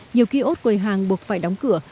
nhiều ký ốt quầy hàng buộc phải đóng cửa